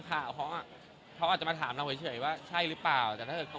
ความจริงก็ไม่ได้เชิญเข้าใจผิดแต่ว่า